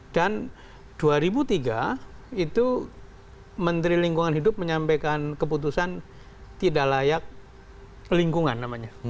dan dua ribu tiga itu menteri lingkungan hidup menyampaikan keputusan tidak layak lingkungan namanya